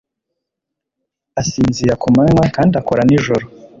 Asinzira ku manywa kandi akora nijoro.